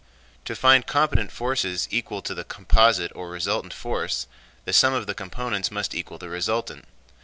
To find component forces equal to the composite or resultant force, the sum of the components must equal the resultant.